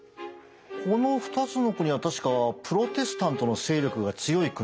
この２つの国は確かプロテスタントの勢力が強い国ですよね？